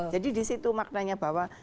jadi disitu maknanya bahwa